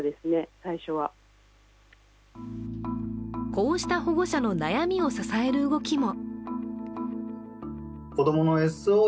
こうした保護者の悩みを支える動きも。